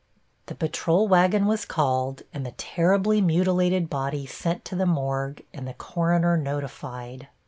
The patrol wagon was called and the terribly mutilated body sent to the morgue and the coroner notified.